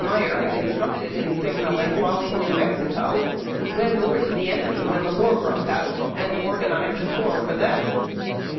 Myer had instructed in signalling while in New Mexico, went over to the enemy when the war broke out and organ ized a corps for them.